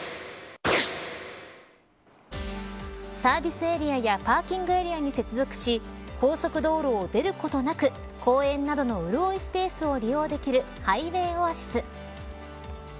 サービスエリアやパーキングエリアに接続し高速道路を出ることなく公園などの潤いスペースを利用できるハイウェイオアシス。